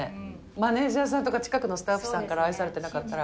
マネージャーさんとか、近くのスタッフさんから愛されてなかったら。